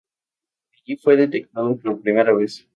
Allí fue detectado por primera vez.